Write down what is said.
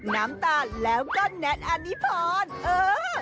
น้ำตาลแล้วก็แน็ตอานิพรเออ